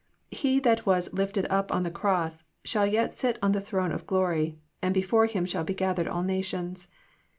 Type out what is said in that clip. He that was "lifted up" on the cross shall yet sit on the throne of glory, and before Him shall be gathered all nations.